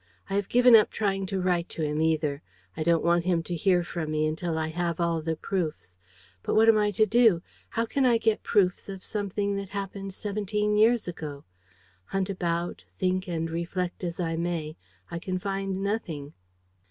I have given up trying to write to him either. I don't want him to hear from me until I have all the proofs. But what am I to do? How can I get proofs of something that happened seventeen years ago? Hunt about, think and reflect as I may, I can find nothing.